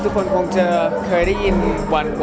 ทุกคนคงจะเคยได้ยินวัน